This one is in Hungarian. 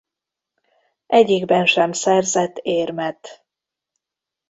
Egyikben sem szerzett érmet.